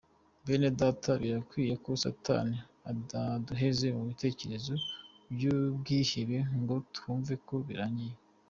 Bene data birakwiye ko Satani ataduheza mu bitekerezo by’ubwihebe ngo twumve ko birangiye.